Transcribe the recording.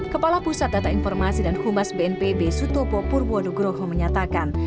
kepala pusat data informasi dan humas bnpb sutopo purwodogroho menyatakan